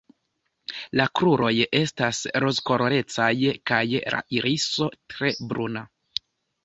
La kruroj estas rozkolorecaj kaj la iriso tre bruna.